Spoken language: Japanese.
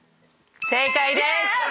正解です。